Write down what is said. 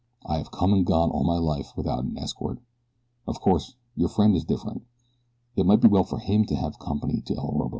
I have come and gone all my life without an escort. Of course your friend is different. It might be well for him to have company to El Orobo.